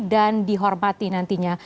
dan dihormati nantinya